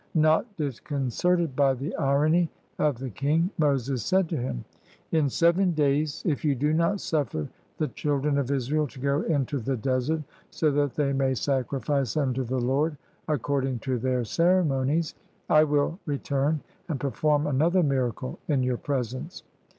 Not disconcerted by the irony of the king, Moses said to him, — "In seven days, if you do not suffer the children of Israel to go into the desert so that they may sacrifice unto the Lord according to their ceremonies, I will re turn and perform another miracle in your presence."